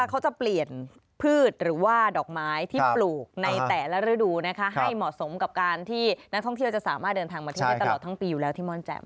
เขาจะเปลี่ยนพืชหรือว่าดอกไม้ที่ปลูกในแต่ละฤดูนะคะให้เหมาะสมกับการที่นักท่องเที่ยวจะสามารถเดินทางมาที่ได้ตลอดทั้งปีอยู่แล้วที่ม่อนแจ่ม